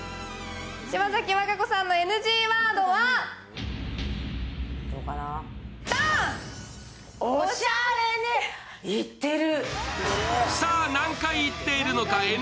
島崎和歌子さんのＮＧワードは言ってる。